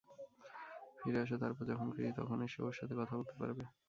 ফিরে আসো, তারপর যখন খুশি তখন এসে ওর সাথে কথা বলতে পারবে।